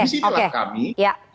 di sinilah kami